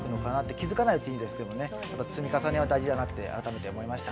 気付かないですけど積み重ねは大事だなと改めて思いました。